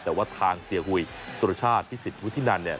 แต่ว่าทางเสียหุยสุรชาติพิสิทธิวุฒินันเนี่ย